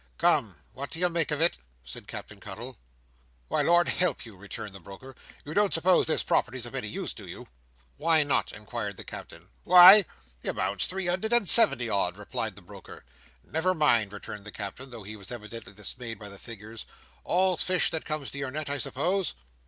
"Come! What do you make of it?" said Captain Cuttle. "Why, Lord help you!" returned the broker; "you don't suppose that property's of any use, do you?" "Why not?" inquired the Captain. "Why? The amount's three hundred and seventy, odd," replied the broker. "Never mind," returned the Captain, though he was evidently dismayed by the figures: "all's fish that comes to your net, I suppose?"